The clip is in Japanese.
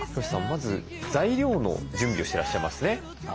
まず材料の準備をしてらっしゃいますね。